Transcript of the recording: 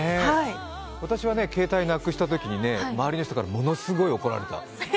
私は携帯なくしたときにね、周りの人からものすごい怒られた。